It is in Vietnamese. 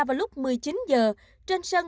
vào lúc một mươi chín h trên sân